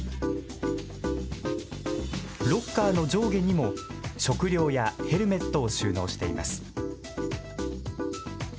ロッカーの上下にも食料やヘルメットを収納しています。